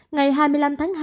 ngày hai mươi năm tháng hai